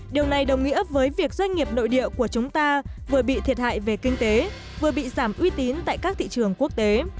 điều này đồng nghĩa với việc doanh nghiệp nội địa của chúng ta vừa bị thiệt hại về kinh tế vừa bị giảm uy tín tại các thị trường quốc tế